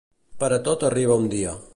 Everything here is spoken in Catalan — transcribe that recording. Per a tot arriba un dia.